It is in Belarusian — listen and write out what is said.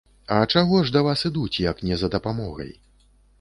А чаго ж да вас ідуць, як не за дапамогай?